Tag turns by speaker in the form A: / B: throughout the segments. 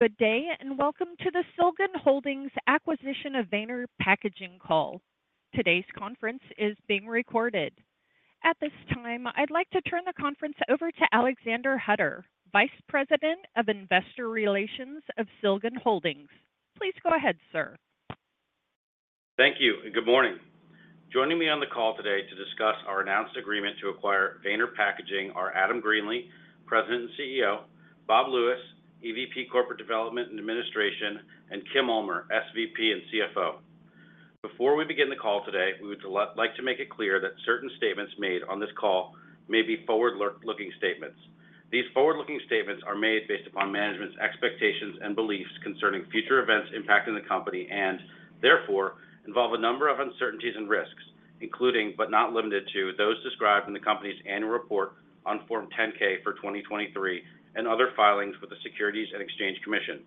A: Good day, and welcome to the Silgan Holdings Acquisition of Weener Plastics Call. Today's conference is being recorded. At this time, I'd like to turn the conference over to Alexander Hutter, Vice President of Investor Relations of Silgan Holdings. Please go ahead, sir.
B: Thank you, and good morning. Joining me on the call today to discuss our announced agreement to acquire Weener Plastics are Adam Greenlee, President and CEO; Rob Lewis, EVP, Corporate Development and Administration; and Kim Ulmer, SVP and CFO. Before we begin the call today, we would like to make it clear that certain statements made on this call may be forward-looking statements. These forward-looking statements are made based upon management's expectations and beliefs concerning future events impacting the company, and therefore involve a number of uncertainties and risks, including, but not limited to, those described in the company's annual report on Form 10-K for 2023 and other filings with the Securities and Exchange Commission.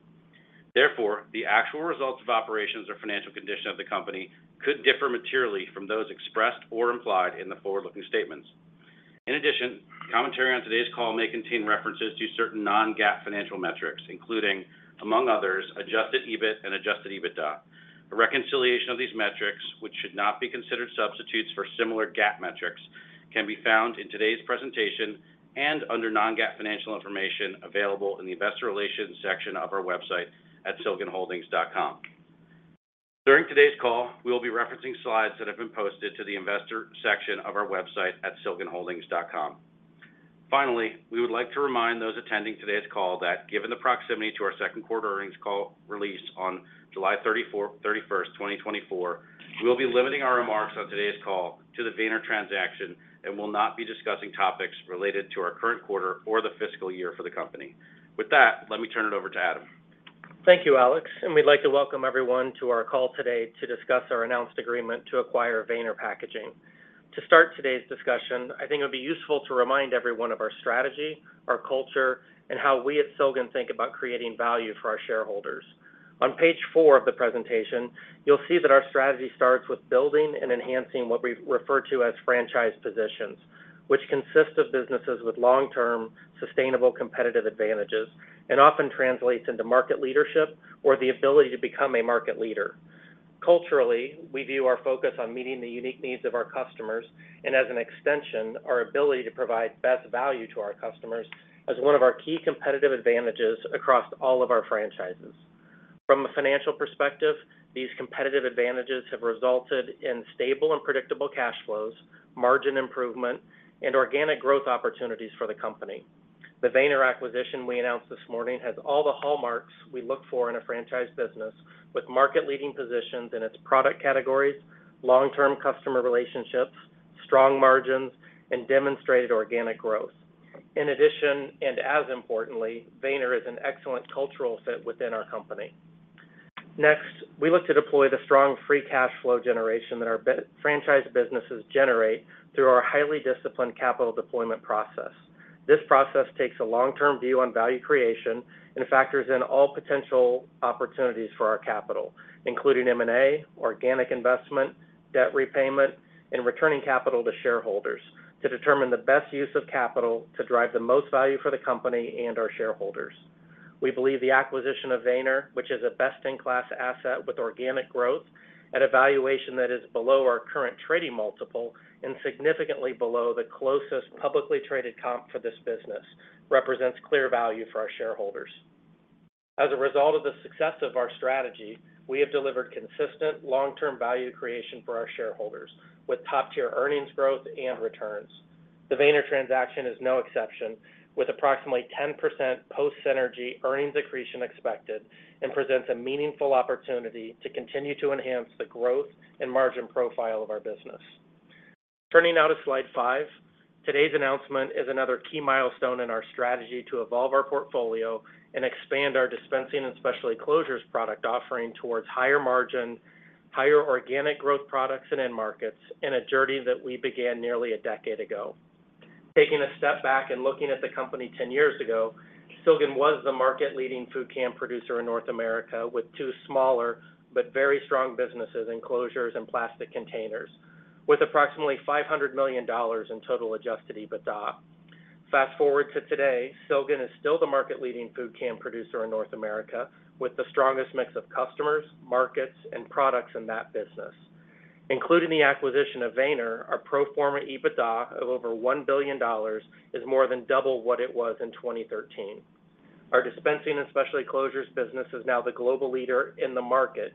B: Therefore, the actual results of operations or financial condition of the company could differ materially from those expressed or implied in the forward-looking statements. In addition, commentary on today's call may contain references to certain non-GAAP financial metrics, including, among others, Adjusted EBIT and Adjusted EBITDA. A reconciliation of these metrics, which should not be considered substitutes for similar GAAP metrics, can be found in today's presentation and under non-GAAP financial information available in the Investor Relations section of our website at silganholdings.com. During today's call, we will be referencing slides that have been posted to the investor section of our website at silganholdings.com. Finally, we would like to remind those attending today's call that given the proximity to our second quarter earnings call released on July 31, 2024, we will be limiting our remarks on today's call to the Weener transaction and will not be discussing topics related to our current quarter or the fiscal year for the company. With that, let me turn it over to Adam.
C: Thank you, Alex, and we'd like to welcome everyone to our call today to discuss our announced agreement to acquire Weener Plastics. To start today's discussion, I think it would be useful to remind everyone of our strategy, our culture, and how we at Silgan think about creating value for our shareholders. On page four of the presentation, you'll see that our strategy starts with building and enhancing what we refer to as franchise positions, which consist of businesses with long-term, sustainable, competitive advantages and often translates into market leadership or the ability to become a market leader. Culturally, we view our focus on meeting the unique needs of our customers and as an extension, our ability to provide best value to our customers as one of our key competitive advantages across all of our franchises. From a financial perspective, these competitive advantages have resulted in stable and predictable cash flows, margin improvement, and organic growth opportunities for the company. The Weener acquisition we announced this morning has all the hallmarks we look for in a franchise business with market-leading positions in its product categories, long-term customer relationships, strong margins, and demonstrated organic growth. In addition, and as importantly, Weener is an excellent cultural fit within our company. Next, we look to deploy the strong free cash flow generation that our franchise businesses generate through our highly disciplined capital deployment process. This process takes a long-term view on value creation and factors in all potential opportunities for our capital, including M&A, organic investment, debt repayment, and returning capital to shareholders to determine the best use of capital to drive the most value for the company and our shareholders. We believe the acquisition of Weener, which is a best-in-class asset with organic growth at a valuation that is below our current trading multiple and significantly below the closest publicly traded comp for this business, represents clear value for our shareholders. As a result of the success of our strategy, we have delivered consistent long-term value creation for our shareholders, with top-tier earnings growth and returns. The Weener transaction is no exception, with approximately 10% post-synergy earnings accretion expected, and presents a meaningful opportunity to continue to enhance the growth and margin profile of our business. Turning now to slide five. Today's announcement is another key milestone in our strategy to evolve our portfolio and expand our dispensing and specialty closures product offering towards higher margin, higher organic growth products and end markets in a journey that we began nearly a decade ago. Taking a step back and looking at the company ten years ago, Silgan was the market-leading food can producer in North America, with two smaller but very strong businesses in closures and plastic containers, with approximately $500 million in total adjusted EBITDA. Fast forward to today, Silgan is still the market-leading food can producer in North America, with the strongest mix of customers, markets, and products in that business. Including the acquisition of Weener, our pro forma EBITDA of over $1 billion is more than double what it was in 2013. Our dispensing and specialty closures business is now the global leader in the market,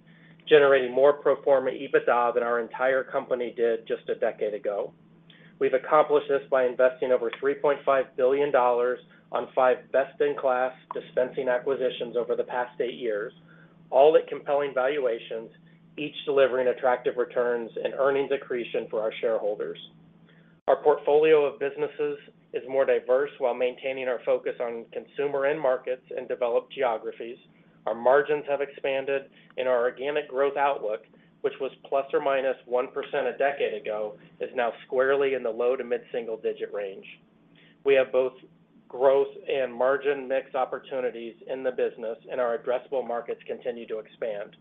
C: generating more pro forma EBITDA than our entire company did just a decade ago. We've accomplished this by investing over $3.5 billion on five best-in-class dispensing acquisitions over the past eight years, all at compelling valuations, each delivering attractive returns and earnings accretion for our shareholders. Our portfolio of businesses is more diverse while maintaining our focus on consumer end markets and developed geographies. Our margins have expanded, and our organic growth outlook, which was ±1% a decade ago, is now squarely in the low to mid-single digit range. We have both growth and margin mix opportunities in the business, and our addressable markets continue to expand.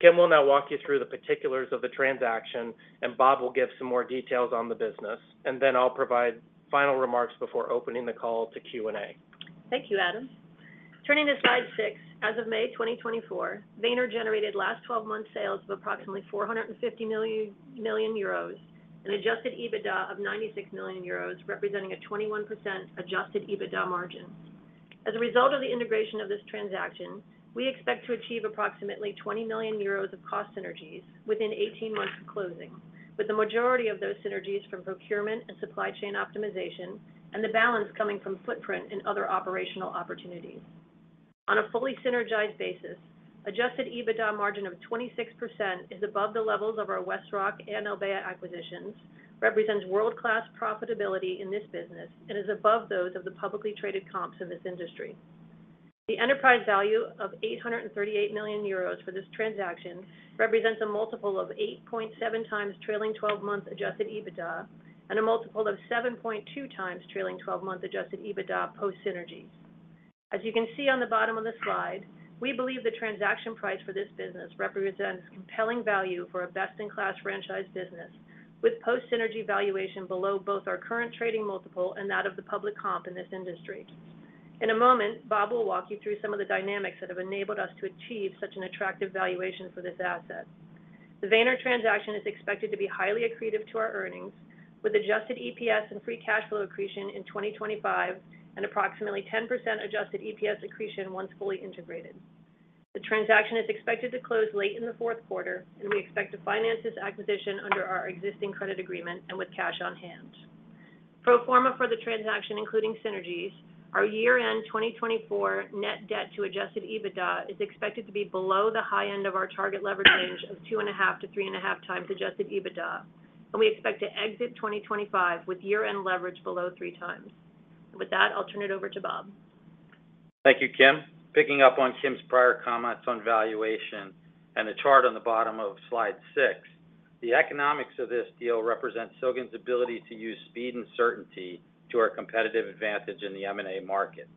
C: Kim will now walk you through the particulars of the transaction, and Rob will give some more details on the business, and then I'll provide final remarks before opening the call to Q&A.
D: Thank you, Adam. Turning to slide 6, as of May 2024, Weener generated last 12 months sales of approximately 450 million euros, an adjusted EBITDA of 96 million euros, representing a 21% adjusted EBITDA margin. As a result of the integration of this transaction, we expect to achieve approximately 20 million euros of cost synergies within 18 months of closing, with the majority of those synergies from procurement and supply chain optimization, and the balance coming from footprint and other operational opportunities. On a fully synergized basis, adjusted EBITDA margin of 26% is above the levels of our WestRock and Albéa acquisitions, represents world-class profitability in this business, and is above those of the publicly traded comps in this industry. The enterprise value of 838 million euros for this transaction represents a multiple of 8.7x trailing twelve-month adjusted EBITDA, and a multiple of 7.2x trailing twelve-month adjusted EBITDA post synergies. As you can see on the bottom of the slide, we believe the transaction price for this business represents compelling value for a best-in-class franchise business, with post-synergy valuation below both our current trading multiple and that of the public comp in this industry. In a moment, Rob will walk you through some of the dynamics that have enabled us to achieve such an attractive valuation for this asset. The Weener transaction is expected to be highly accretive to our earnings, with adjusted EPS and free cash flow accretion in 2025 and approximately 10% adjusted EPS accretion once fully integrated. The transaction is expected to close late in the fourth quarter, and we expect to finance this acquisition under our existing credit agreement and with cash on hand. Pro forma for the transaction, including synergies, our year-end 2024 net debt to Adjusted EBITDA is expected to be below the high end of our target leverage range of 2.5-3.5 times Adjusted EBITDA, and we expect to exit 2025 with year-end leverage below 3 times. With that, I'll turn it over to Rob.
E: Thank you, Kim. Picking up on Kim's prior comments on valuation and the chart on the bottom of slide 6, the economics of this deal represents Silgan's ability to use speed and certainty to our competitive advantage in the M&A market.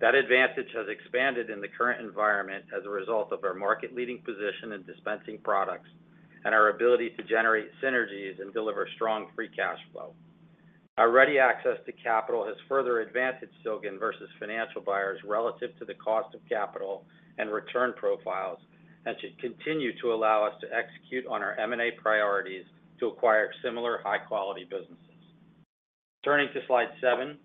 E: That advantage has expanded in the current environment as a result of our market-leading position in dispensing products and our ability to generate synergies and deliver strong free cash flow. Our ready access to capital has further advantaged Silgan versus financial buyers relative to the cost of capital and return profiles, and should continue to allow us to execute on our M&A priorities to acquire similar high-quality businesses. Turning to slide 7,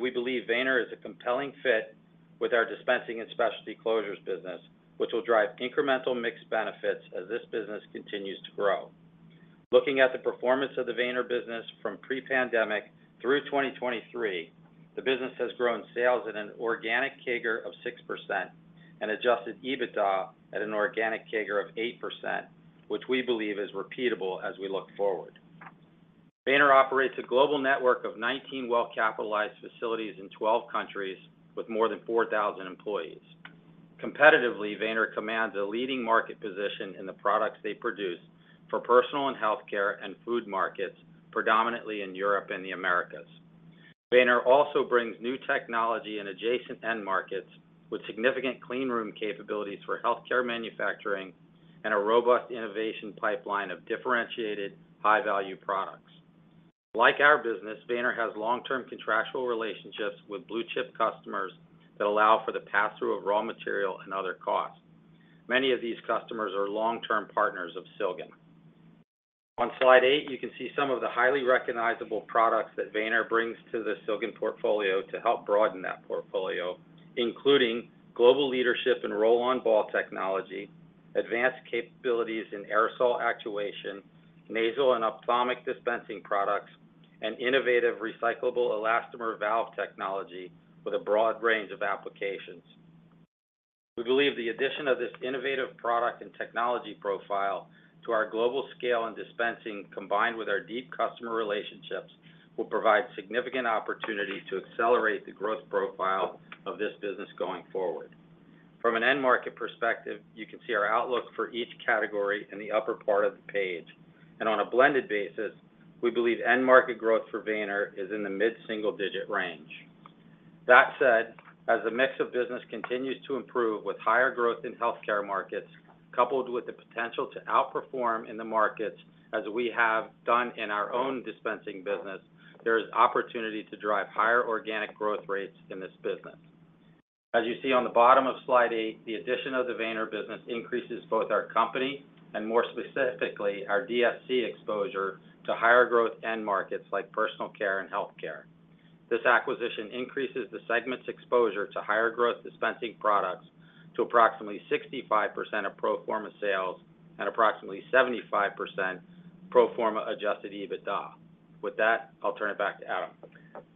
E: we believe Weener is a compelling fit with our dispensing and specialty closures business, which will drive incremental mixed benefits as this business continues to grow. Looking at the performance of the Weener business from pre-pandemic through 2023, the business has grown sales at an organic CAGR of 6% and Adjusted EBITDA at an organic CAGR of 8%, which we believe is repeatable as we look forward. Weener operates a global network of 19 well-capitalized facilities in 12 countries with more than 4,000 employees. Competitively, Weener commands a leading market position in the products they produce for personal and healthcare and food markets, predominantly in Europe and the Americas. Weener also brings new technology in adjacent end markets with significant clean room capabilities for healthcare manufacturing and a robust innovation pipeline of differentiated, high-value products. Like our business, Weener has long-term contractual relationships with blue chip customers that allow for the pass-through of raw material and other costs. Many of these customers are long-term partners of Silgan. On slide eight, you can see some of the highly recognizable products that Weener brings to the Silgan portfolio to help broaden that portfolio, including global leadership in roll-on ball technology, advanced capabilities in aerosol actuation, nasal and ophthalmic dispensing products, and innovative recyclable elastomer valve technology with a broad range of applications. We believe the addition of this innovative product and technology profile to our global scale and dispensing, combined with our deep customer relationships, will provide significant opportunity to accelerate the growth profile of this business going forward. From an end market perspective, you can see our outlook for each category in the upper part of the page, and on a blended basis, we believe end market growth for Weener is in the mid-single-digit range. That said, as the mix of business continues to improve with higher growth in healthcare markets, coupled with the potential to outperform in the markets as we have done in our own dispensing business, there is opportunity to drive higher organic growth rates in this business. As you see on the bottom of slide 8, the addition of the Weener business increases both our company and more specifically, our DSC exposure to higher growth end markets like personal care and healthcare. This acquisition increases the segment's exposure to higher growth dispensing products to approximately 65% of pro forma sales and approximately 75% pro forma Adjusted EBITDA. With that, I'll turn it back to Adam.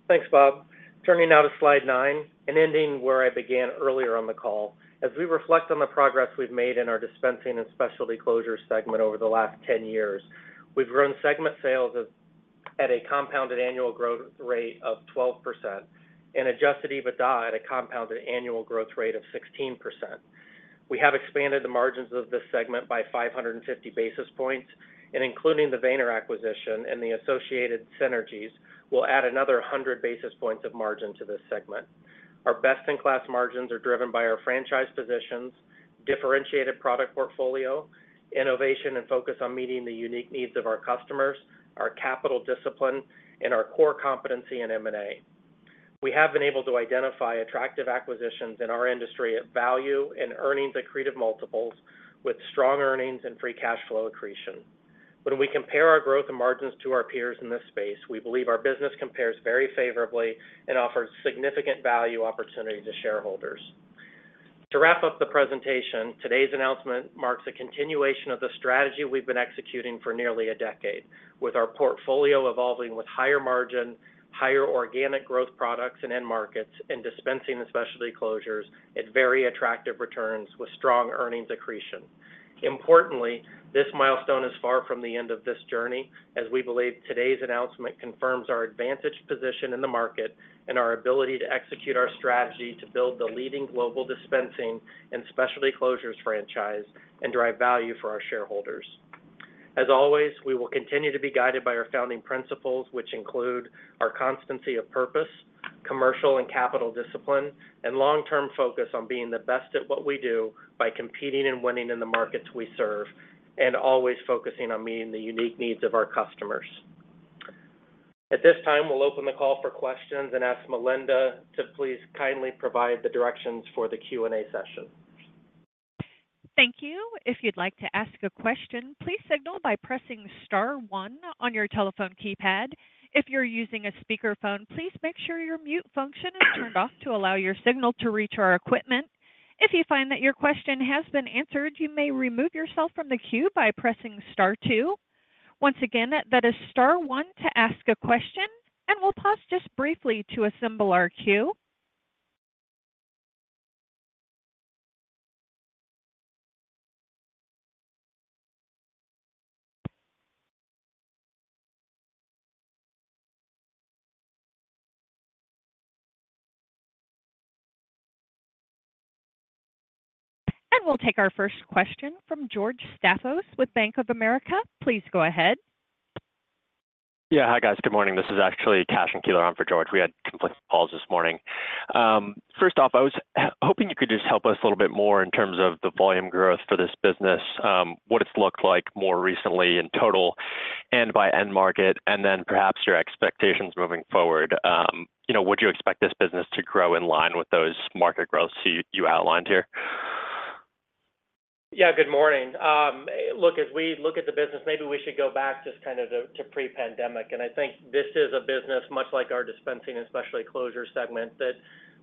C: Thanks, Rob. Turning now to slide 9 and ending where I began earlier on the call. As we reflect on the progress we've made in our dispensing and specialty closure segment over the last 10 years, we've grown segment sales at a compounded annual growth rate of 12% and adjusted EBITDA at a compounded annual growth rate of 16%. We have expanded the margins of this segment by 550 basis points, and including the Weener acquisition and the associated synergies, we'll add another 100 basis points of margin to this segment. Our best-in-class margins are driven by our franchise positions, differentiated product portfolio, innovation, and focus on meeting the unique needs of our customers, our capital discipline, and our core competency in M&A. We have been able to identify attractive acquisitions in our industry at value and earnings accretive multiples with strong earnings and free cash flow accretion. When we compare our growth and margins to our peers in this space, we believe our business compares very favorably and offers significant value opportunity to shareholders. To wrap up the presentation, today's announcement marks a continuation of the strategy we've been executing for nearly a decade, with our portfolio evolving with higher margin, higher organic growth products and end markets, and dispensing the specialty closures at very attractive returns with strong earnings accretion. Importantly, this milestone is far from the end of this journey, as we believe today's announcement confirms our advantaged position in the market and our ability to execute our strategy to build the leading global dispensing and specialty closures franchise and drive value for our shareholders. As always, we will continue to be guided by our founding principles, which include our constancy of purpose, commercial and capital discipline, and long-term focus on being the best at what we do by competing and winning in the markets we serve, and always focusing on meeting the unique needs of our customers. At this time, we'll open the call for questions and ask Melinda to please kindly provide the directions for the Q&A session.
A: Thank you. If you'd like to ask a question, please signal by pressing star one on your telephone keypad. If you're using a speakerphone, please make sure your mute function is turned off to allow your signal to reach our equipment. If you find that your question has been answered, you may remove yourself from the queue by pressing star two. Once again, that is star one to ask a question, and we'll pause just briefly to assemble our queue. And we'll take our first question from George Staphos with Bank of America. Please go ahead.
F: Yeah. Hi, guys. Good morning. This is actually Cashen Keeler on for George. We had conflicting calls this morning. First off, I was hoping you could just help us a little bit more in terms of the volume growth for this business, what it's looked like more recently in total and by end market, and then perhaps your expectations moving forward. You know, would you expect this business to grow in line with those market growths you outlined here?
C: Yeah, good morning. Look, as we look at the business, maybe we should go back just kind of to pre-pandemic. And I think this is a business much like our dispensing, especially closure segment, that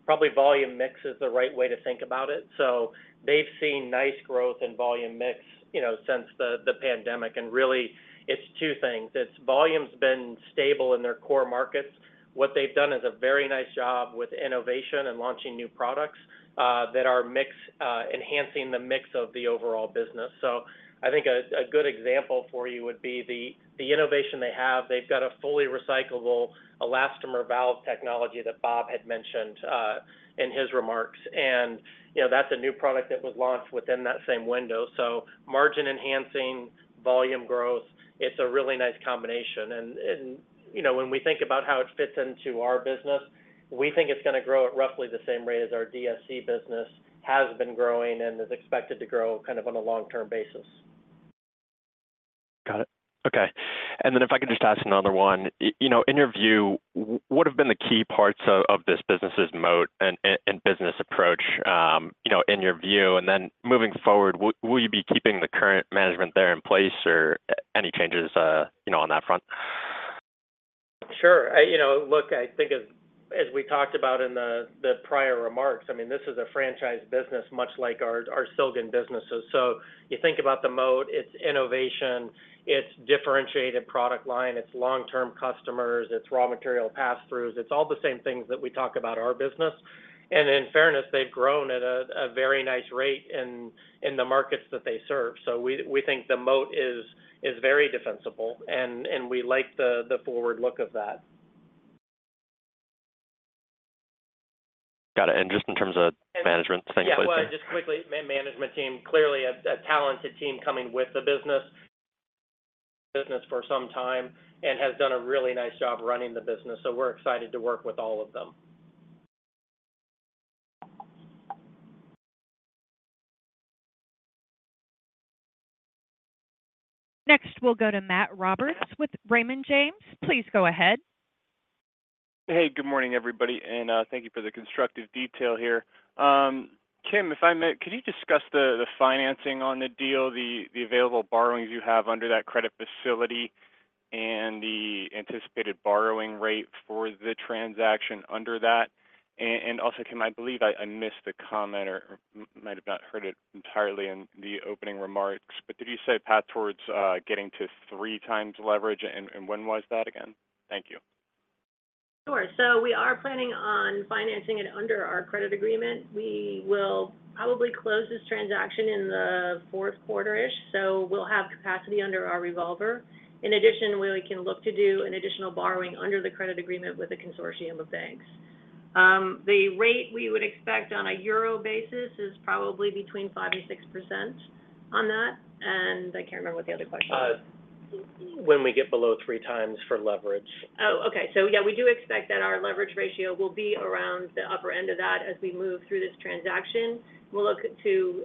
C: probably volume mix is the right way to think about it. So they've seen nice growth in volume mix, you know, since the pandemic, and really, it's two things. It's volume's been stable in their core markets. What they've done is a very nice job with innovation and launching new products that are mix-enhancing the mix of the overall business. So I think a good example for you would be the innovation they have. They've got a fully recyclable elastomer valve technology that Rob had mentioned in his remarks. And, you know, that's a new product that was launched within that same window. So margin-enhancing, volume growth, it's a really nice combination. And you know, when we think about how it fits into our business, we think it's gonna grow at roughly the same rate as our DSC business has been growing and is expected to grow kind of on a long-term basis.
F: Got it. Okay. Then if I could just ask another one. You know, in your view, what have been the key parts of this business's moat and business approach, you know, in your view? And then moving forward, will you be keeping the current management there in place or any changes, you know, on that front?
C: Sure. You know, look, I think as we talked about in the prior remarks, I mean, this is a franchise business much like our Silgan businesses. So you think about the moat, it's innovation, it's differentiated product line, it's long-term customers, it's raw material pass-throughs. It's all the same things that we talk about our business. And in fairness, they've grown at a very nice rate in the markets that they serve. So we think the moat is very defensible, and we like the forward look of that.
F: Got it. And just in terms of management, staying in place?
C: Yeah. Well, just quickly, management team, clearly a talented team coming with the business for some time and has done a really nice job running the business, so we're excited to work with all of them.
A: Next, we'll go to Matt Roberts with Raymond James. Please go ahead.
G: Hey, good morning, everybody, and thank you for the constructive detail here. Kim, if I may, could you discuss the financing on the deal, the available borrowings you have under that credit facility and the anticipated borrowing rate for the transaction under that? And also, Kim, I believe I missed the comment or might have not heard it entirely in the opening remarks, but did you say path towards getting to three times leverage, and when was that again? Thank you.
D: Sure. So we are planning on financing it under our credit agreement. We will probably close this transaction in the fourth quarter-ish, so we'll have capacity under our revolver. In addition, we can look to do an additional borrowing under the credit agreement with a consortium of banks. The rate we would expect on a euro basis is probably between 5%-6% on that, and I can't remember what the other question was...
G: when we get below 3x for leverage?
E: Oh, okay. So yeah, we do expect that our leverage ratio will be around the upper end of that as we move through this transaction. We'll look to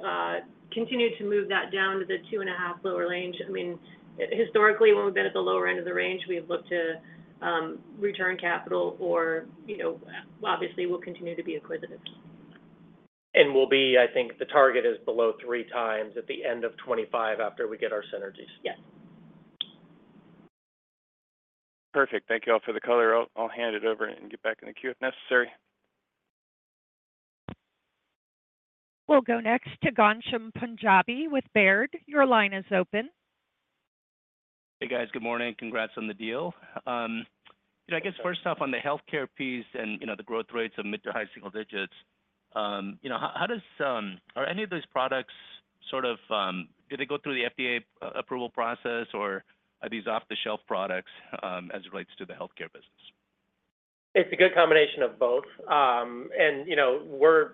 E: continue to move that down to the 2.5 lower range. I mean, historically, when we've been at the lower end of the range, we've looked to return capital or, you know, obviously, we'll continue to be acquisitive.
C: We'll be, I think the target is below 3x at the end of 2025 after we get our synergies.
D: Yes.
G: Perfect. Thank you all for the color. I'll hand it over and get back in the queue if necessary.
A: We'll go next to Ghansham Panjabi with Baird. Your line is open.
H: Hey, guys. Good morning. Congrats on the deal. You know, I guess first off, on the healthcare piece and, you know, the growth rates of mid to high single digits, you know, how, how does... Are any of these products, sort of, do they go through the FDA approval process, or are these off-the-shelf products, as it relates to the healthcare business?
C: It's a good combination of both. And, you know, we're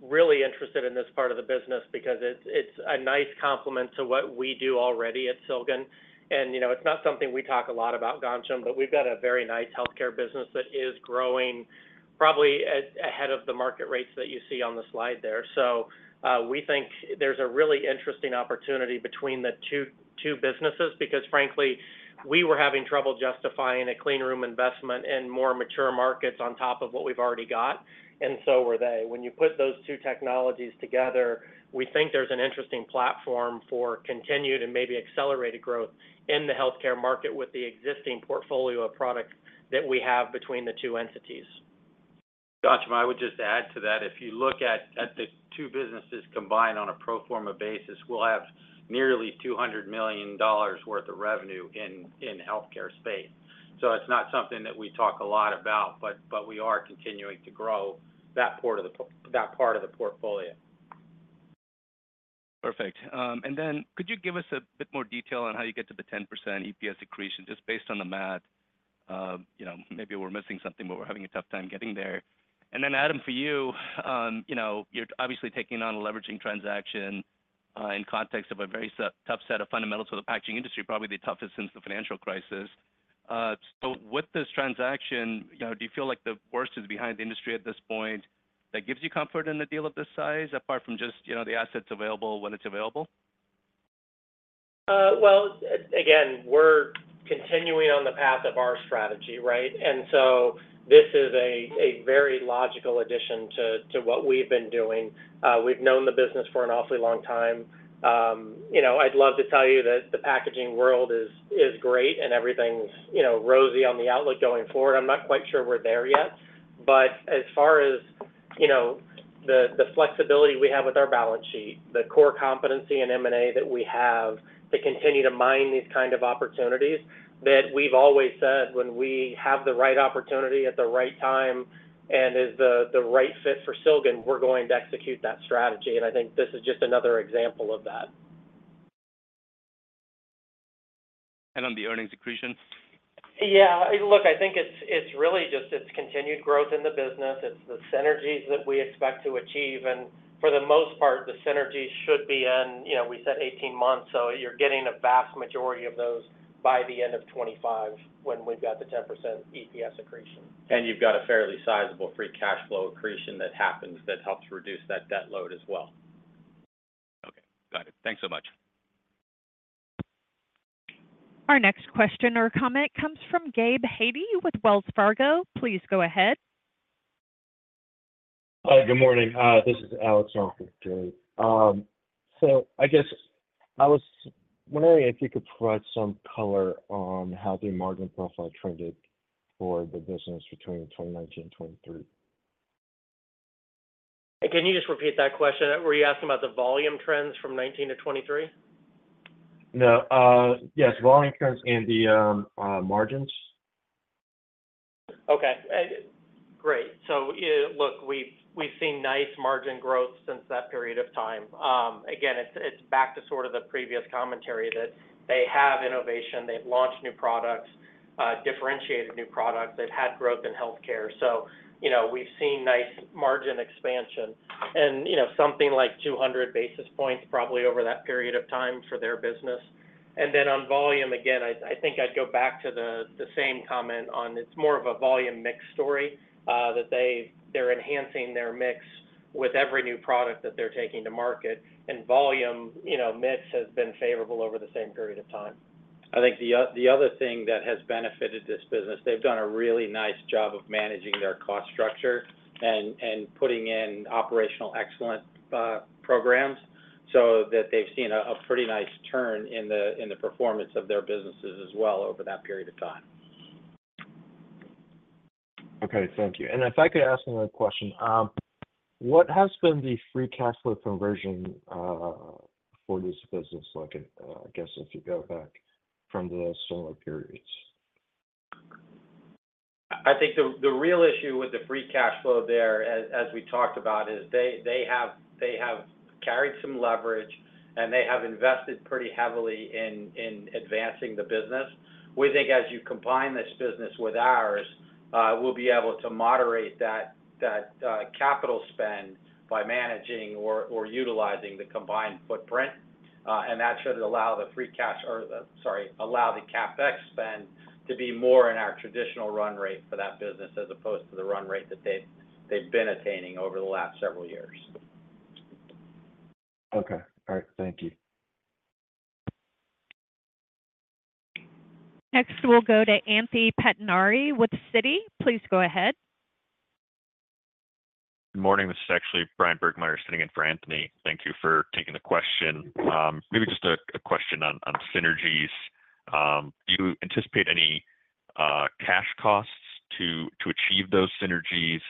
C: really interested in this part of the business because it's, it's a nice complement to what we do already at Silgan. And, you know, it's not something we talk a lot about, Ghansham, but we've got a very nice healthcare business that is growing probably ahead of the market rates that you see on the slide there. So, we think there's a really interesting opportunity between the two, two businesses, because, frankly, we were having trouble justifying a clean room investment in more mature markets on top of what we've already got, and so were they. When you put those two technologies together, we think there's an interesting platform for continued and maybe accelerated growth in the healthcare market with the existing portfolio of products that we have between the two entities.
E: Ghansham, I would just add to that. If you look at the two businesses combined on a pro forma basis, we'll have nearly $200 million worth of revenue in the healthcare space. So it's not something that we talk a lot about, but we are continuing to grow that part of the portfolio.
H: Perfect. And then could you give us a bit more detail on how you get to the 10% EPS accretion, just based on the math? You know, maybe we're missing something, but we're having a tough time getting there. And then, Adam, for you, you know, you're obviously taking on a leveraging transaction, in context of a very tough set of fundamentals for the packaging industry, probably the toughest since the financial crisis. So with this transaction, you know, do you feel like the worst is behind the industry at this point, that gives you comfort in a deal of this size, apart from just, you know, the assets available when it's available?
C: Well, again, we're continuing on the path of our strategy, right? And so this is a very logical addition to what we've been doing. We've known the business for an awfully long time. You know, I'd love to tell you that the packaging world is great, and everything's, you know, rosy on the outlook going forward. I'm not quite sure we're there yet. But as far as, you know, the flexibility we have with our balance sheet, the core competency in M&A that we have to continue to mine these kind of opportunities, that we've always said when we have the right opportunity at the right time and is the right fit for Silgan, we're going to execute that strategy. And I think this is just another example of that.
H: On the earnings accretion?
C: Yeah, look, I think it's really just continued growth in the business. It's the synergies that we expect to achieve, and for the most part, the synergies should be in, you know, we said 18 months, so you're getting a vast majority of those by the end of 2025, when we've got the 10% EPS accretion.
E: You've got a fairly sizable free cash flow accretion that happens that helps reduce that debt load as well.
H: Okay. Got it. Thanks so much.
A: Our next question or comment comes from Gabe Hajde with Wells Fargo. Please go ahead.
B: Hi, good morning. This is Alexander Hutter. I guess I was wondering if you could provide some color on how the margin profile trended for the business between 2019 and 2023.
C: Can you just repeat that question? Were you asking about the volume trends from 2019 to 2023?
B: No. Yes, volume trends and the margins.
C: Okay, great. So, look, we've seen nice margin growth since that period of time. Again, it's back to sort of the previous commentary that they have innovation, they've launched new products, differentiated new products. They've had growth in healthcare. So, you know, we've seen nice margin expansion and, you know, something like 200 basis points, probably over that period of time for their business. And then on volume, again, I think I'd go back to the same comment on it's more of a volume mix story that they're enhancing their mix with every new product that they're taking to market. And volume, you know, mix has been favorable over the same period of time.
E: I think the other thing that has benefited this business, they've done a really nice job of managing their cost structure and putting in operational excellence programs, so that they've seen a pretty nice turn in the performance of their businesses as well over that period of time.
B: Okay, thank you. And if I could ask another question. What has been the free cash flow conversion for this business, like, I guess, if you go back from the similar periods?
E: I think the real issue with the free cash flow there, as we talked about, is they have carried some leverage, and they have invested pretty heavily in advancing the business. We think as you combine this business with ours, we'll be able to moderate that capital spend by managing or utilizing the combined footprint. And that should allow the CapEx spend to be more in our traditional run rate for that business, as opposed to the run rate that they've been attaining over the last several years.
B: Okay. All right, thank you.
A: Next, we'll go to Anthony Pettinari with Citi. Please go ahead.
I: Good morning. This is actually Bryan Burgmeier sitting in for Anthony. Thank you for taking the question. Maybe just a question on synergies. Do you anticipate any cash costs to achieve those synergies?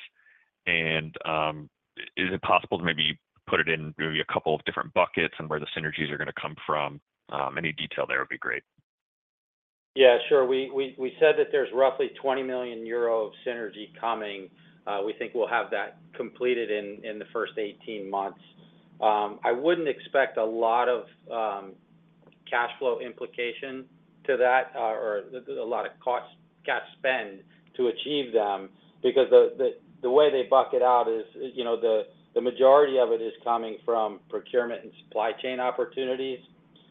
I: Is it possible to maybe put it in maybe a couple of different buckets and where the synergies are gonna come from? Any detail there would be great.
E: Yeah, sure. We said that there's roughly 20 million euro of synergy coming. We think we'll have that completed in the first 18 months. I wouldn't expect a lot of cash flow implication to that, or a lot of cash spend to achieve them because the way they bucket out is, you know, the majority of it is coming from procurement and supply chain opportunities.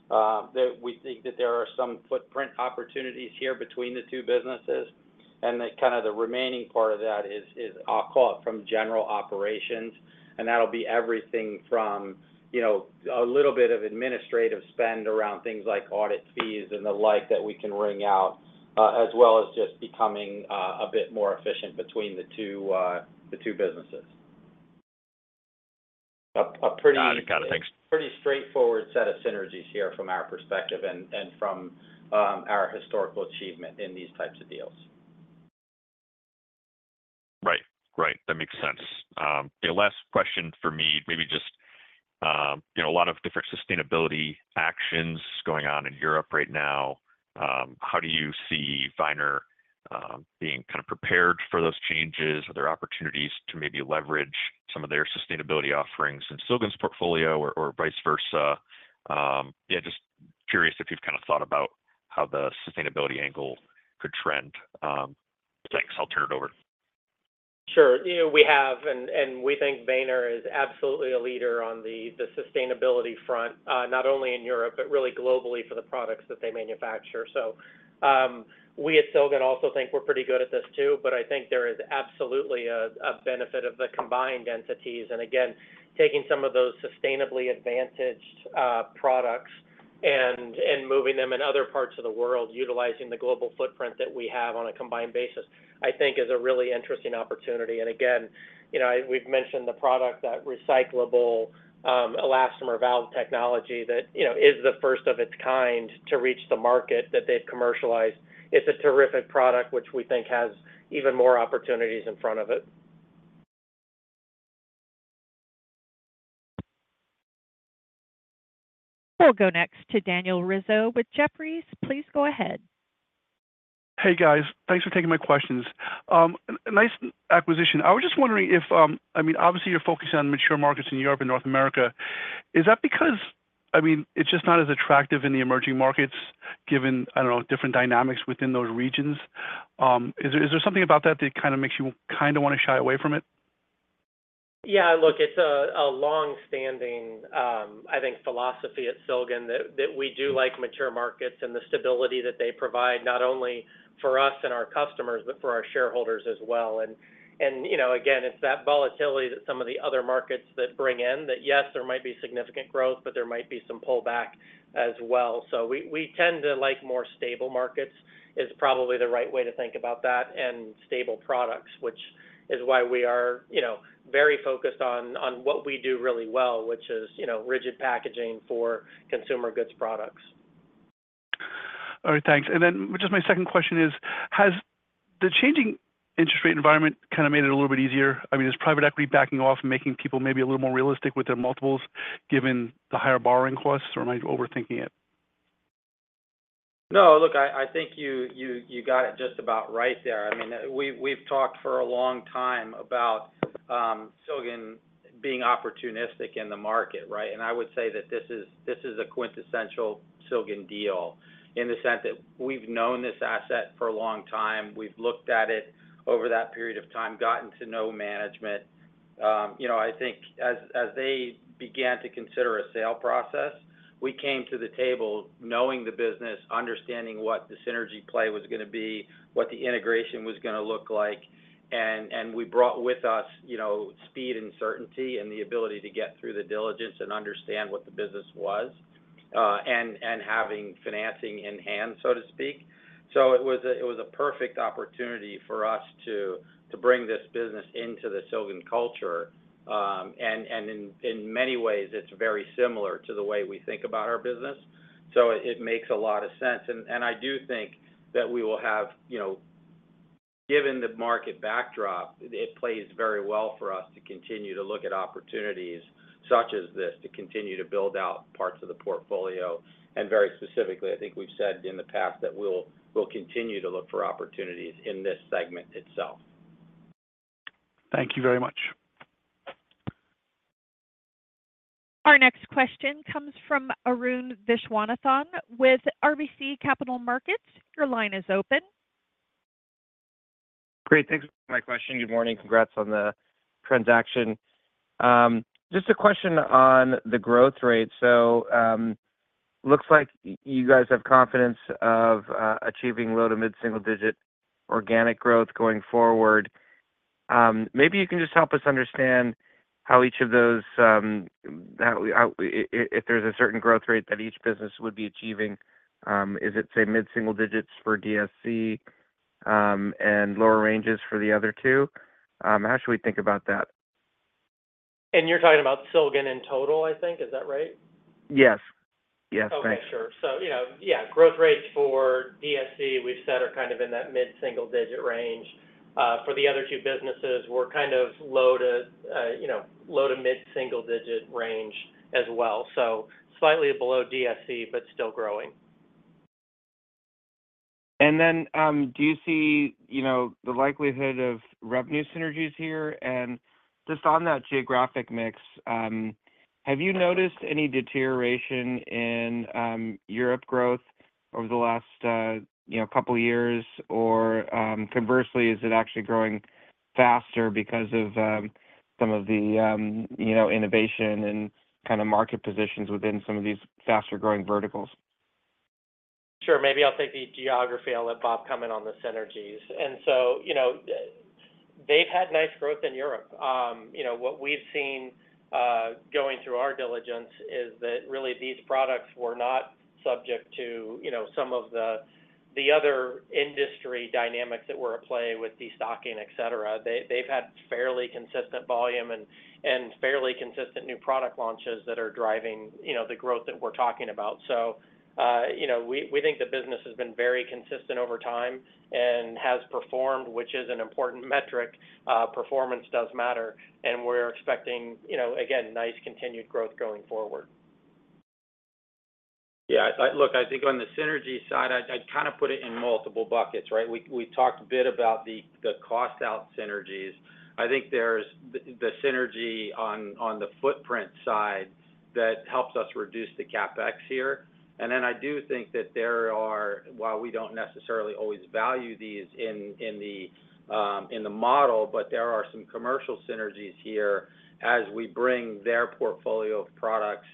E: that we think that there are some footprint opportunities here between the two businesses, and then kind of the remaining part of that is call it from general operations, and that'll be everything from, you know, a little bit of administrative spend around things like audit fees and the like that we can wring out, as well as just becoming a bit more efficient between the two businesses. A pretty-
I: Got it. Got it. Thanks.
E: Pretty straightforward set of synergies here from our perspective and from our historical achievement in these types of deals.
I: Right. Right, that makes sense. The last question for me, maybe just, you know, a lot of different sustainability actions going on in Europe right now. How do you see Weener being kind of prepared for those changes? Are there opportunities to maybe leverage some of their sustainability offerings in Silgan's portfolio or, or vice versa? Yeah, just curious if you've kind of thought about how the sustainability angle could trend. Thanks. I'll turn it over.
E: Sure. You know, we have and, and we think Weener is absolutely a leader on the, the sustainability front, not only in Europe, but really globally for the products that they manufacture. So, we at Silgan also think we're pretty good at this, too, but I think there is absolutely a, a benefit of the combined entities. And again, taking some of those sustainably advantaged, products and, and moving them in other parts of the world, utilizing the global footprint that we have on a combined basis, I think is a really interesting opportunity. And again, you know, we've mentioned the product, that recyclable, elastomer valve technology that, you know, is the first of its kind to reach the market that they've commercialized. It's a terrific product, which we think has even more opportunities in front of it.
A: We'll go next to Daniel Rizzo with Jefferies. Please go ahead.
J: Hey, guys. Thanks for taking my questions. Nice acquisition. I was just wondering if, I mean, obviously, you're focused on mature markets in Europe and North America. Is that because, I mean, it's just not as attractive in the emerging markets, given, I don't know, different dynamics within those regions? Is there something about that that kind of makes you kinda wanna shy away from it?
E: Yeah, look, it's a long-standing, I think, philosophy at Silgan, that we do like mature markets and the stability that they provide, not only for us and our customers, but for our shareholders as well. And you know, again, it's that volatility that some of the other markets bring in, that yes, there might be significant growth, but there might be some pullback as well. So we tend to like more stable markets, is probably the right way to think about that, and stable products, which is why we are, you know, very focused on what we do really well, which is, you know, rigid packaging for consumer goods products.
J: All right, thanks. And then just my second question is, has the changing interest rate environment kind of made it a little bit easier? I mean, is private equity backing off and making people maybe a little more realistic with their multiples, given the higher borrowing costs, or am I overthinking it?
E: No, look, I think you got it just about right there. I mean, we've talked for a long time about Silgan being opportunistic in the market, right? And I would say that this is a quintessential Silgan deal in the sense that we've known this asset for a long time. We've looked at it over that period of time, gotten to know management. You know, I think as they began to consider a sale process, we came to the table knowing the business, understanding what the synergy play was gonna be, what the integration was gonna look like, and we brought with us, you know, speed and certainty and the ability to get through the diligence and understand what the business was, and having financing in hand, so to speak. So it was a perfect opportunity for us to bring this business into the Silgan culture, and in many ways, it's very similar to the way we think about our business, so it makes a lot of sense. And I do think that we will have, you know... Given the market backdrop, it plays very well for us to continue to look at opportunities such as this, to continue to build out parts of the portfolio. And very specifically, I think we've said in the past that we'll continue to look for opportunities in this segment itself.
J: Thank you very much.
A: Our next question comes from Arun Viswanathan with RBC Capital Markets. Your line is open.
K: Great. Thanks for my question. Good morning. Congrats on the transaction. Just a question on the growth rate. So, looks like you guys have confidence of achieving low to mid-single digit organic growth going forward. Maybe you can just help us understand how each of those... how if there's a certain growth rate that each business would be achieving, is it, say, mid-single digits for DSC, and lower ranges for the other two? How should we think about that?
C: You're talking about Silgan in total, I think. Is that right?
K: Yes. Yes, thanks.
C: Okay, sure. So, you know, yeah, growth rates for DSC, we've said, are kind of in that mid-single digit range. For the other two businesses, we're kind of low to, you know, low to mid-single digit range as well, so slightly below DSC, but still growing.
K: And then, do you see, you know, the likelihood of revenue synergies here? And just on that geographic mix, have you noticed any deterioration in Europe growth over the last, you know, couple of years? Or, conversely, is it actually growing faster because of some of the, you know, innovation and kind of market positions within some of these faster growing verticals?
C: Sure. Maybe I'll take the geography. I'll let Rob comment on the synergies. And so, you know, they've had nice growth in Europe. You know, what we've seen, going through our diligence is that really these products were not subject to, you know, some of the other industry dynamics that were at play with destocking, et cetera. They've had fairly consistent volume and fairly consistent new product launches that are driving, you know, the growth that we're talking about. So, you know, we think the business has been very consistent over time and has performed, which is an important metric. Performance does matter, and we're expecting, you know, again, nice continued growth going forward.
E: Yeah, look, I think on the synergy side, I kind of put it in multiple buckets, right? We talked a bit about the cost out synergies. I think there's the synergy on the footprint side that helps us reduce the CapEx here. And then I do think that there are... while we don't necessarily always value these in the model, but there are some commercial synergies here as we bring their portfolio of products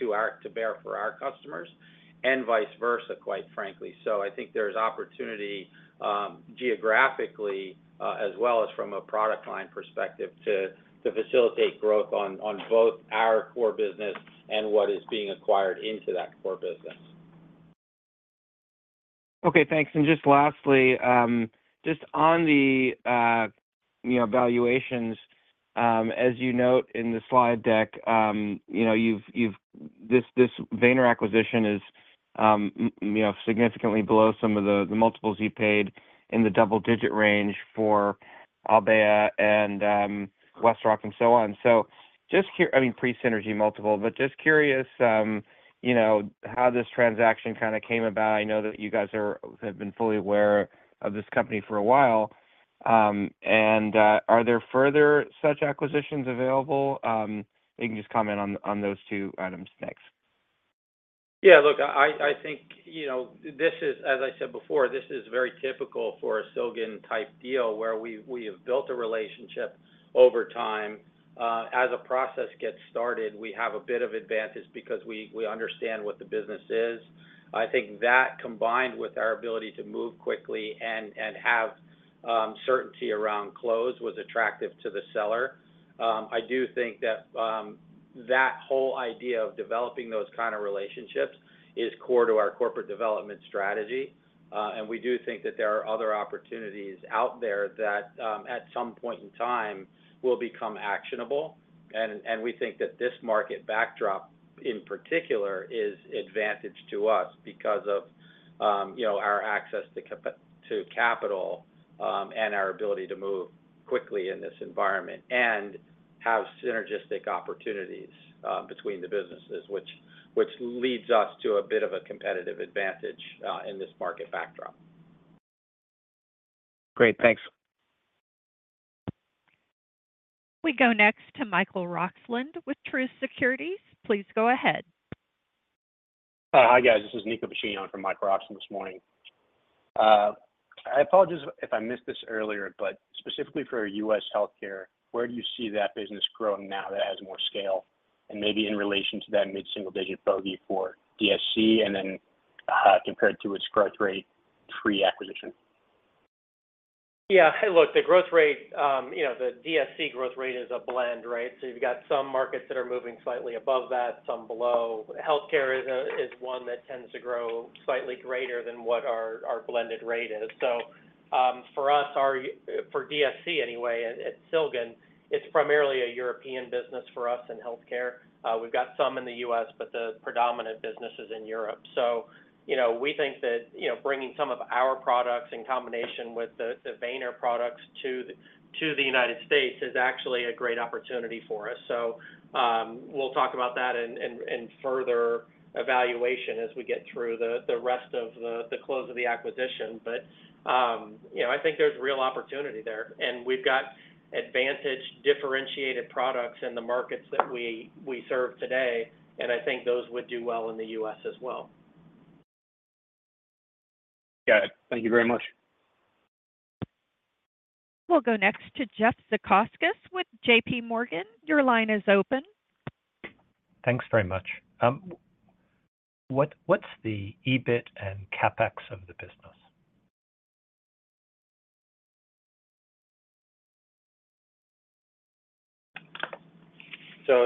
E: to our to bear for our customers, and vice versa, quite frankly. So I think there's opportunity geographically, as well as from a product line perspective, to facilitate growth on both our core business and what is being acquired into that core business.
K: Okay, thanks. And just lastly, just on the, you know, valuations, as you note in the slide deck, you know, this Weener acquisition is, you know, significantly below some of the multiples you paid in the double-digit range for Albéa and, WestRock and so on. So I mean, pre-synergy multiple, but just curious, you know, how this transaction kind of came about. I know that you guys have been fully aware of this company for a while. And, are there further such acquisitions available? You can just comment on those two items next.
E: Yeah, look, I think, you know, this is... as I said before, this is very typical for a Silgan-type deal, where we have built a relationship over time. As a process gets started, we have a bit of advantage because we understand what the business is. I think that, combined with our ability to move quickly and have certainty around close, was attractive to the seller. I do think that that whole idea of developing those kind of relationships is core to our corporate development strategy, and we do think that there are other opportunities out there that, at some point in time, will become actionable. We think that this market backdrop, in particular, is advantageous to us because of, you know, our access to capital, and our ability to move quickly in this environment and have synergistic opportunities between the businesses, which leads us to a bit of a competitive advantage in this market backdrop.
K: Great. Thanks.
A: We go next to Michael Roxland with Truist Securities. Please go ahead.
L: Hi, guys. This is Nico Buccino from Mike Roxland this morning. I apologize if I missed this earlier, but specifically for U.S. healthcare, where do you see that business growing now that it has more scale? And maybe in relation to that mid-single-digit bogey for DSC, and then, compared to its growth rate pre-acquisition.
C: Yeah, hey, look, the growth rate, you know, the DSC growth rate is a blend, right? So you've got some markets that are moving slightly above that, some below. Healthcare is one that tends to grow slightly greater than what our blended rate is. So, for us—for DSC anyway, at Silgan, it's primarily a European business for us in healthcare. We've got some in the U.S., but the predominant business is in Europe. So you know, we think that, you know, bringing some of our products in combination with the Weener products to the United States is actually a great opportunity for us. So, we'll talk about that in further evaluation as we get through the rest of the close of the acquisition. But, you know, I think there's real opportunity there, and we've got advantage, differentiated products in the markets that we serve today, and I think those would do well in the U.S. as well... Got it. Thank you very much.
A: We'll go next to Jeffrey Zekauskas with JPMorgan. Your line is open.
M: Thanks very much. What's the EBIT and CapEx of the business?
E: So,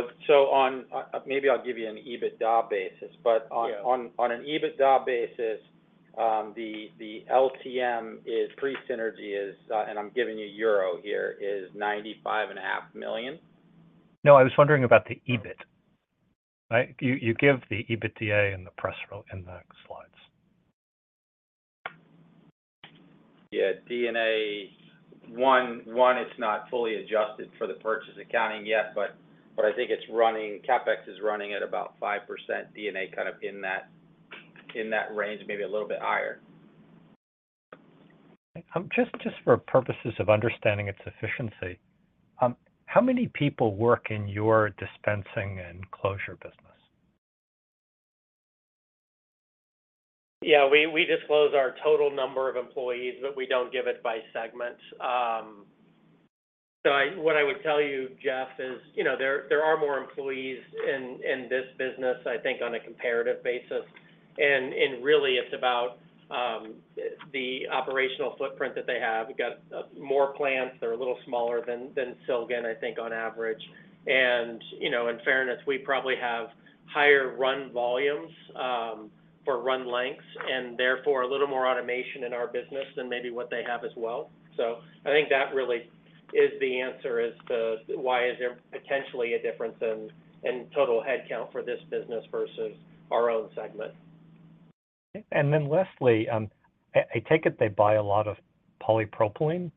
E: on, maybe I'll give you an EBITDA basis, but on-
M: Yeah
E: On an EBITDA basis, the LTM is pre-synergy, and I'm giving you euro here, is 95.5 million.
M: No, I was wondering about the EBIT, right? You give the EBITDA in the press in the slides.
E: Yeah, DNA, 1.1, it's not fully adjusted for the purchase accounting yet, but, but I think it's running, CapEx is running at about 5% D&A kind of in that, in that range, maybe a little bit higher.
M: Just, just for purposes of understanding its efficiency, how many people work in your dispensing and closure business?
C: Yeah, we disclose our total number of employees, but we don't give it by segment. So what I would tell you, Jeff, is, you know, there are more employees in this business, I think, on a comparative basis. And really, it's about the operational footprint that they have. We've got more plants. They're a little smaller than Silgan, I think, on average. And, you know, in fairness, we probably have higher run volumes for run lengths, and therefore a little more automation in our business than maybe what they have as well. So I think that really is the answer as to why is there potentially a difference in total head count for this business versus our own segment.
M: And then lastly, I take it they buy a lot of polypropylene.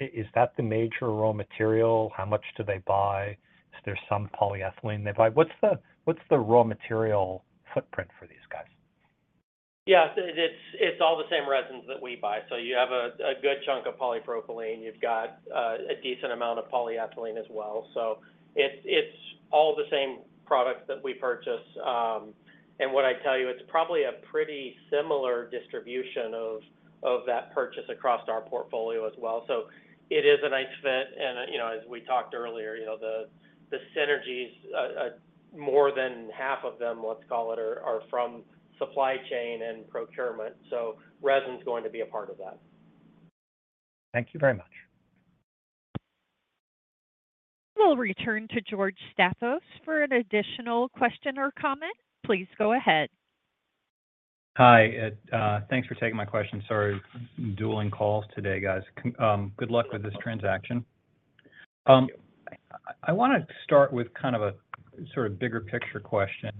M: Is that the major raw material? How much do they buy? Is there some polyethylene they buy? What's the raw material footprint for these guys?
C: Yeah, it's all the same resins that we buy. So you have a good chunk of polypropylene. You've got a decent amount of polyethylene as well. So it's all the same products that we purchase. And what I tell you, it's probably a pretty similar distribution of that purchase across our portfolio as well. So it is a nice fit, and, you know, as we talked earlier, you know, the synergies, more than half of them, let's call it, are from supply chain and procurement, so resin is going to be a part of that.
M: Thank you very much.
A: We'll return to George Staphos for an additional question or comment. Please go ahead.
N: Hi, Adam, thanks for taking my question. Sorry, dueling calls today, guys. Good luck with this transaction. I want to start with kind of a, sort of, bigger picture question.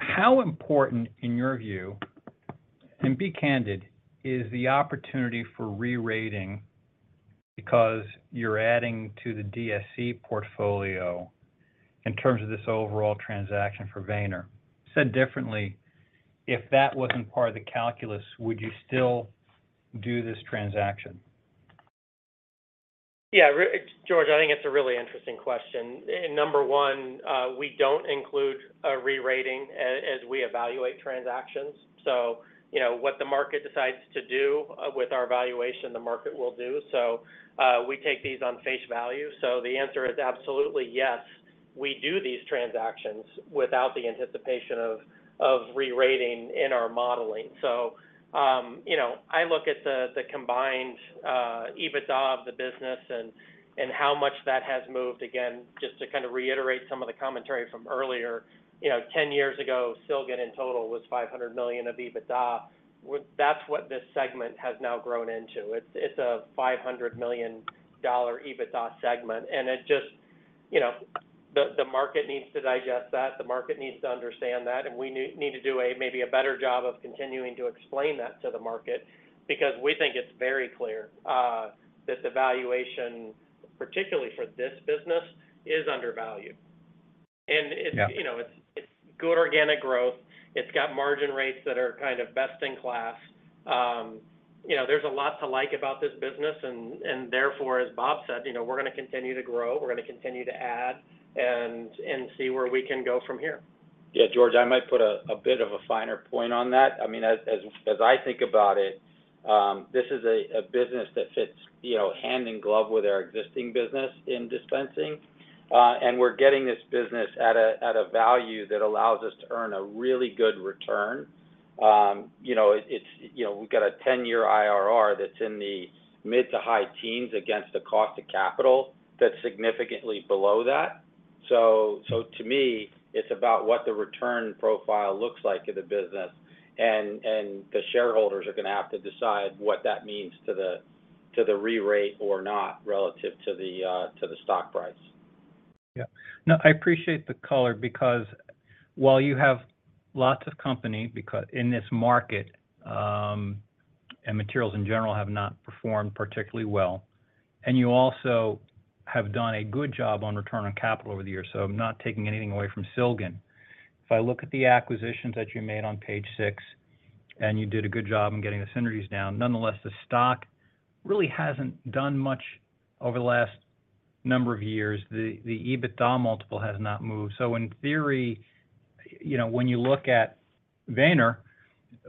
N: How important, in your view, and be candid, is the opportunity for re-rating because you're adding to the DSC portfolio in terms of this overall transaction for Weener? Said differently, if that wasn't part of the calculus, would you still do this transaction?
C: Yeah, George, I think it's a really interesting question. Number one, we don't include a re-rating as we evaluate transactions. So, you know, what the market decides to do with our valuation, the market will do. So, we take these on face value. So the answer is absolutely yes. We do these transactions without the anticipation of re-rating in our modeling. So, you know, I look at the combined EBITDA of the business and how much that has moved. Again, just to kind of reiterate some of the commentary from earlier, you know, 10 years ago, Silgan in total was $500 million of EBITDA. Well, that's what this segment has now grown into. It's a $500 million EBITDA segment, and it just, you know, the market needs to digest that, the market needs to understand that, and we need to do, maybe a better job of continuing to explain that to the market because we think it's very clear, this evaluation, particularly for this business, is undervalued.
N: Yeah.
C: You know, it's good organic growth. It's got margin rates that are kind of best in class. You know, there's a lot to like about this business, and therefore, as Rob said, you know, we're gonna continue to grow, we're gonna continue to add, and see where we can go from here.
E: Yeah, George, I might put a bit of a finer point on that. I mean, as I think about it, this is a business that fits, you know, hand in glove with our existing business in dispensing, and we're getting this business at a value that allows us to earn a really good return. You know, it's, you know, we've got a ten-year IRR that's in the mid to high teens against the cost of capital that's significantly below that. So, to me, it's about what the return profile looks like in the business, and the shareholders are gonna have to decide what that means to the re-rate or not relative to the stock price.
N: Yeah. No, I appreciate the color because while you have lots of company, because in this market, and materials, in general, have not performed particularly well, and you also have done a good job on return on capital over the years, so I'm not taking anything away from Silgan. If I look at the acquisitions that you made on page six, and you did a good job on getting the synergies down, nonetheless, the stock really hasn't done much over the last number of years, the EBITDA multiple has not moved. So in theory, you know, when you look at Weener,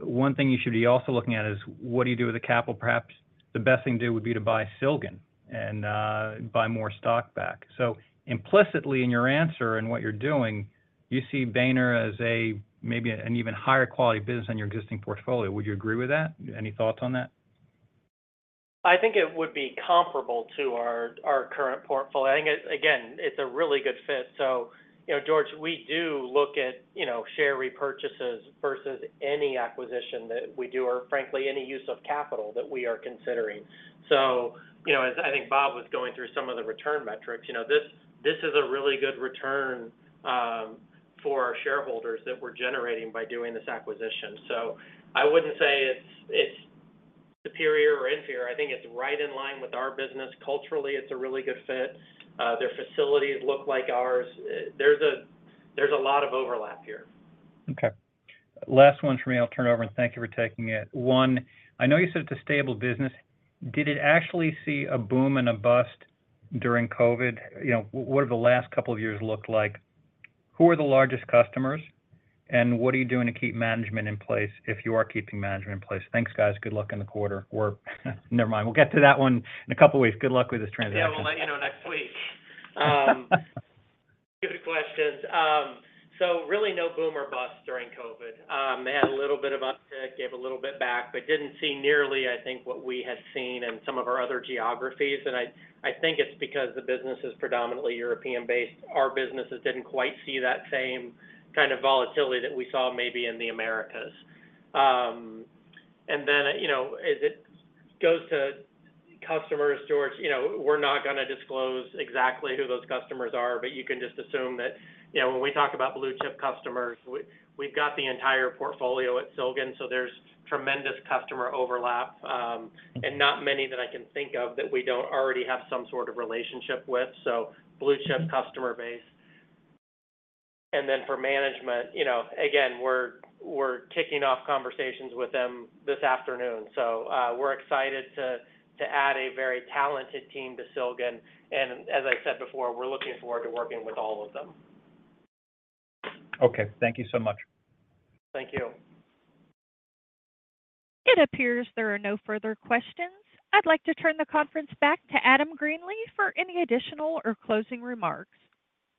N: one thing you should be also looking at is, what do you do with the capital? Perhaps the best thing to do would be to buy Silgan and buy more stock back. So implicitly, in your answer and what you're doing, you see Weener as maybe an even higher quality business than your existing portfolio. Would you agree with that? Any thoughts on that?
C: I think it would be comparable to our current portfolio. I think, again, it's a really good fit. So, you know, George, we do look at, you know, share repurchases versus any acquisition that we do, or frankly, any use of capital that we are considering. So, you know, as I think Rob was going through some of the return metrics, you know, this is a really good return for our shareholders that we're generating by doing this acquisition. So I wouldn't say it's superior or inferior. I think it's right in line with our business. Culturally, it's a really good fit. Their facilities look like ours. There's a lot of overlap here.
N: Okay. Last one for me, I'll turn it over, and thank you for taking it. One, I know you said it's a stable business. Did it actually see a boom and a bust during COVID? You know, what have the last couple of years looked like? Who are the largest customers, and what are you doing to keep management in place, if you are keeping management in place? Thanks, guys. Good luck in the quarter. We're, never mind, we'll get to that one in a couple of weeks. Good luck with this transition.
C: Yeah, we'll let you know next week. Good questions. So really no boom or bust during COVID. They had a little bit of uptick, gave a little bit back, but didn't see nearly, I think, what we had seen in some of our other geographies. And I think it's because the business is predominantly European-based. Our businesses didn't quite see that same kind of volatility that we saw maybe in the Americas. And then, you know, as it goes to customers, George, you know, we're not gonna disclose exactly who those customers are, but you can just assume that, you know, when we talk about blue-chip customers, we've got the entire portfolio at Silgan, so there's tremendous customer overlap, and not many that I can think of that we don't already have some sort of relationship with. So blue-chip customer base. And then for management, you know, again, we're kicking off conversations with them this afternoon, so we're excited to add a very talented team to Silgan, and as I said before, we're looking forward to working with all of them.
N: Okay, thank you so much.
C: Thank you.
A: It appears there are no further questions. I'd like to turn the conference back to Adam Greenlee for any additional or closing remarks.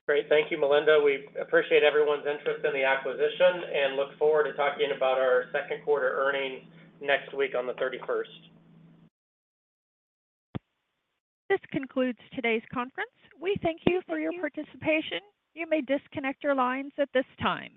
C: Great. Thank you, Melinda. We appreciate everyone's interest in the acquisition and look forward to talking about our second quarter earnings next week on the 31st.
A: This concludes today's conference. We thank you for your participation. You may disconnect your lines at this time.